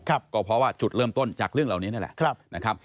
ก็เพราะว่าจุดเริ่มต้นจากเรื่องเหล่านี้นี่แหละนะครับ